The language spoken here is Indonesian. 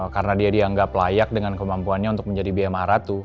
karena dia dianggap layak dengan kemampuannya untuk menjadi bm maharatu